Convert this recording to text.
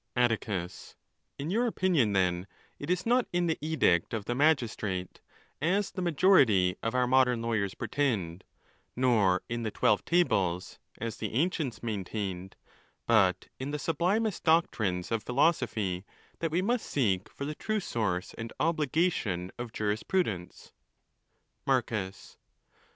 Atticus.—In your opinion, then, it is not in the edict of: the magistrate, as the majority of our modern lawyers pretend, nor in the Twelve Tables, as the ancients maintained, but in the sublimest doctrines of philosophy, that we must seek for the true source and obligation of jurisprudence, | Marcus.